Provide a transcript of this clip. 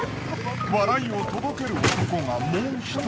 笑いを届ける男がもう一人。